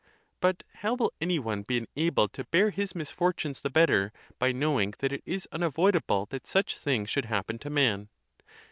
But how will any one be enabled to bear his misfortunes the better by knowing that it is unavoidable that such things should happen to man?